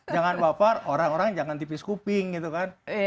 jangan baper orang orang jangan tipis kuping gitu kan